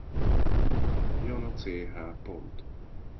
Jana Ch.